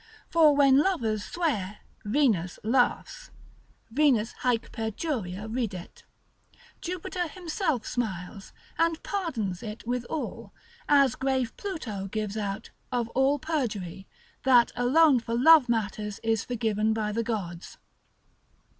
For when lovers swear, Venus laughs, Venus haec perjuria ridet, Jupiter himself smiles, and pardons it withal, as grave Plato gives out; of all perjury, that alone for love matters is forgiven by the gods.